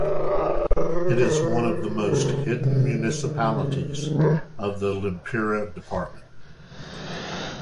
It is one of the most hidden municipalities of the Lempira department.